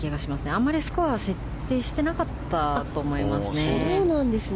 あまりスコアは設定していなかったと思います。